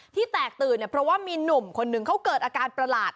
แตกตื่นเนี่ยเพราะว่ามีหนุ่มคนหนึ่งเขาเกิดอาการประหลาด